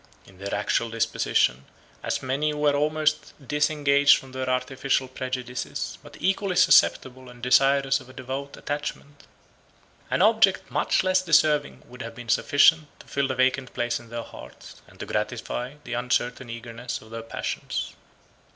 In their actual disposition, as many were almost disengaged from their artificial prejudices, but equally susceptible and desirous of a devout attachment; an object much less deserving would have been sufficient to fill the vacant place in their hearts, and to gratify the uncertain eagerness of their passions.